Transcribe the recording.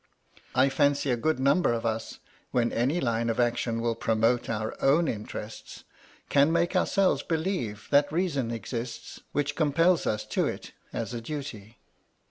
I fancy a good number of us, when any line of action will promote our own interest, can make ourselves believe that reasons exist which compel us to it as a duty.